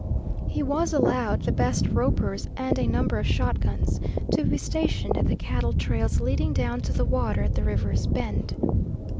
He was allowed the best ropers and a number of shotguns, to be stationed at the cattle trails leading down to the water at the river's bend.